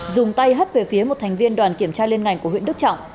dùng tay hất về phía một thành viên đoàn kiểm tra liên ngành của huyện đức trọng